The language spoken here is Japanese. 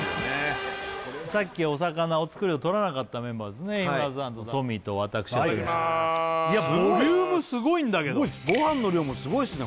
さっきお魚お造りを取らなかったメンバーですね日村さんとトミーと私はいいただきますいやボリュームすごいんだけどご飯の量もすごいですね